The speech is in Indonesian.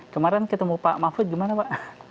kemarin ketemu pak mahfud gimana pak